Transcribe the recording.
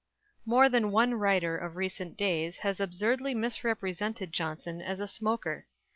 More than one writer of recent days has absurdly misrepresented Johnson as a smoker.